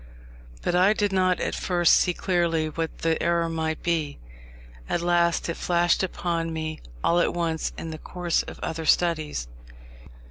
But I did not at first see clearly what the error might be. At last it flashed upon me all at once in the course of other studies.